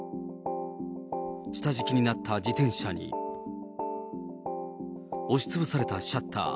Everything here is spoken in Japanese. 下敷きになった自転車に押しつぶされたシャッター。